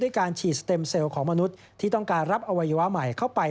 การฉีดสเต็มเซลล์ของมนุษย์ที่ต้องการรับอวัยวะใหม่เข้าไป